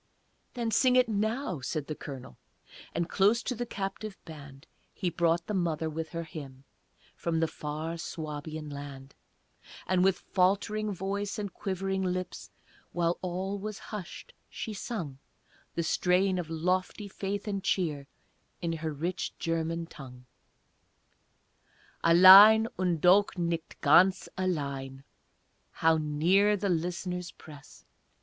"Then sing it now," said the Colonel, And close to the captive band He brought the mother with her hymn From the far Suabian land; And with faltering voice and quivering lips, While all was hushed, she sung The strain of lofty faith and cheer In her rich German tongue: "Allein, und doch nicht ganz allein" (How near the listeners press!)